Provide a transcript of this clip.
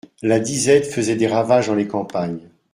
La disette faisait des ravages dans les campagnes.